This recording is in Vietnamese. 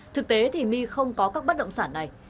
thực tế thì my không có các bất động sản này